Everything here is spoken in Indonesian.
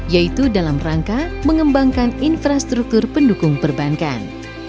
yaitu dalam rangka mengembangkan infrastruktur pendukung perbankan